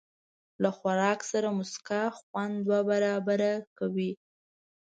له خوراک سره موسکا، خوند دوه برابره کوي.